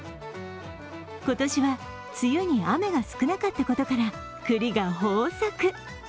今年は梅雨に雨が少なかったことから栗が豊作。